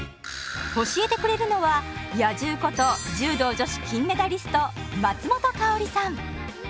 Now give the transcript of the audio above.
教えてくれるのは「野獣」こと柔道女子金メダリスト松本薫さん。